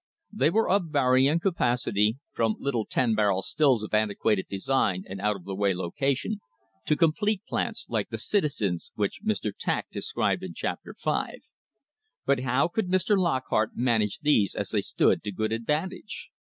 They were of varying capacity, from little ten barrel stills of antiquated design and out of the way location, to complete plants like the Citizens', which Mr. Tack described in Chapter V. But how could Mr. Lockhart manage these as they stood to good advantage?